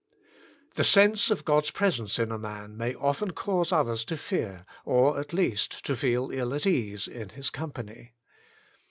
The sense of God^s presence in a man may often cause others to fear, or at least to feel ill at ease in, his company.